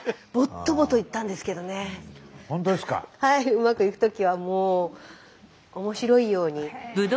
うまくいく時はもう面白いように。